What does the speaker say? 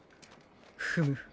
フム。